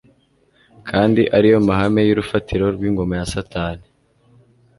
kandi ari yo mahame y'urufatiro rw'ingoma ya Satani